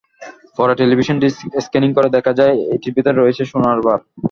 পরে টেলিভিশনটি স্ক্যানিং করে দেখা যায়, এটির ভেতরে রয়েছে সোনার বার।